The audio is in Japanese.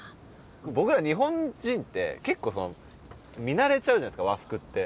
僕ら日本人って結構見慣れちゃうじゃないですか和服って。